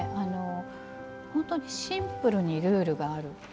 シンプルにルールがある。